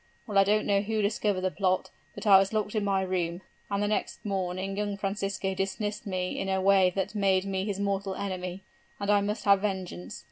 Well, I don't know who discovered the plot, but I was locked in my room, and next morning young Francisco dismissed me in a way that made me his mortal enemy: and I must have vengeance.